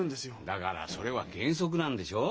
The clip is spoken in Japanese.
だからそれは「原則」なんでしょ？